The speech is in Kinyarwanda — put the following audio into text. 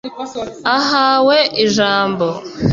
Ahawe ijambo